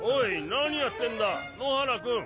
何やってんだ野原くん！